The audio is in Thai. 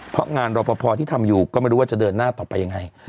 เพราะงานรอปภที่ทำอยู่ก็ไม่รู้ว่าจะเดินหน้าต่อไปยังไง